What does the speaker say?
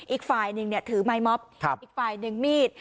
อีกฝ่ายหนึ่งถือไม้ม็อบอีกฝ่ายหนึ่งมีด